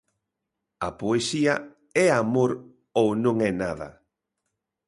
A Poesía é Amor ou non é nada.